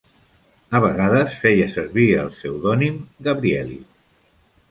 A vegades feia servir el pseudònim Gabrielli.